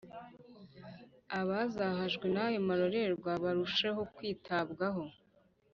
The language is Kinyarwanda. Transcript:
abazahajwe n'ayo marorerwa barusheho kwitabwaho